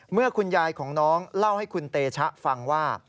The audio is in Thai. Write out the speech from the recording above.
เมื่อคุณยายของน้องเล่าให้คุณเตชะฟังว่า